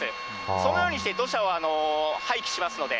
そのようにして土砂を廃棄しますので。